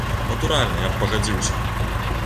Натуральна, я б пагадзіўся!